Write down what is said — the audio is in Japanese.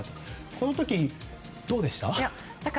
この時、どうでした？